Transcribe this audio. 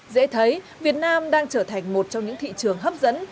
dễ thấy việt nam đang trở thành một trong những thị trường hấp dẫn